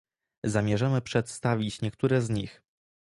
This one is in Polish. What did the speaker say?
Zamierzamy przedstawić niektóre z nich